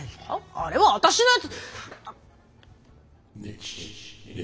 あれは私のやつ。